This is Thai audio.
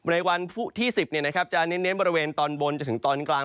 ในวันที่๑๐เนี่ยนะครับจะเน้นบริเวณตอนบนจนถึงตอนกลาง